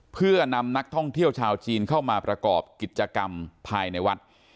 เพื่อนำนักท่องเที่ยวชาวจีนเข้ามาประกอบกิจกรรมภายในวัด